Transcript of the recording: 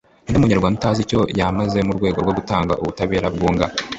ni nde munyarwanda utazi icyo yamaze mu rwego rwo gutanga ubutabera bwunga?